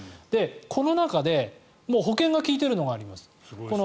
この中で保険が利いてるものがあります。